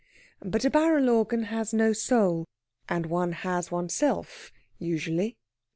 But a barrel organ has no soul, and one has one oneself, usually.